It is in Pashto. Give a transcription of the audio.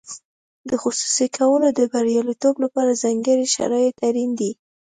د خصوصي کولو د بریالیتوب لپاره ځانګړي شرایط اړین دي.